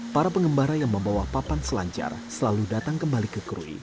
para pengembara yang membawa papan selancar selalu datang kembali ke krui